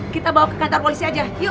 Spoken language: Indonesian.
kita bawa ke kantor polisi aja yuk